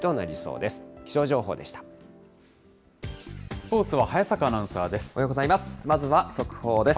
スポーツは早坂アナウンサーです。